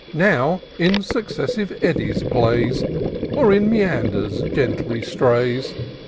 Now in successive eddies plays. Or in meanders gently strays.